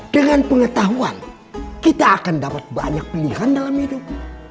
dengan pengetahuan kita akan dapat banyak pilihan dalam hidup